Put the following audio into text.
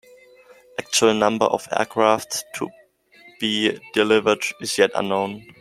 Actual number of aircraft to be delivered is yet unknown.